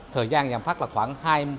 thời gian giảm phát là khoảng